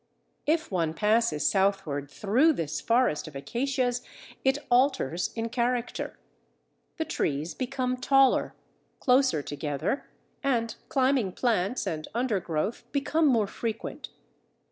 If one passes southward through this forest of acacias, it alters in character. The trees become taller, closer together, and climbing plants and undergrowth become more frequent.